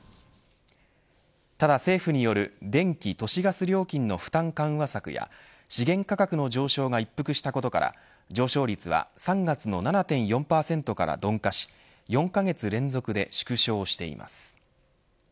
ただ政府による電気都市ガス料金の負担緩和策や資源価格の上昇が一服したことから上昇率は３月の７．４％から鈍化し４カ月連続で縮小しています。